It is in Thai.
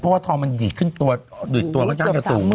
เพราะว่าทองมันหยีดขึ้นตัวหยีดตัวมันก็สูง